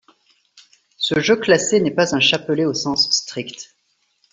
Ce jeu classé n'est pas un chapelet au sens strict.